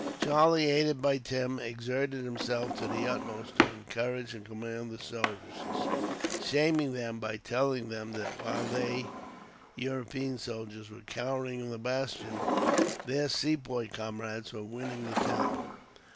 Charlie, aided by Tim, exerted himself to the utmost to encourage and command the soldiers, shaming them by telling them that while they, European soldiers, were cowering in the bastion, their Sepoy comrades were winning the town.